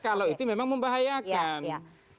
kalau itu memang membahayakan